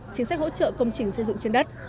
chính sách hỗ trợ công trình xây dựng trên đất